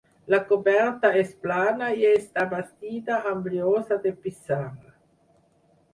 La coberta és plana i està bastida amb llosa de pissarra.